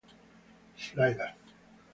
Slider.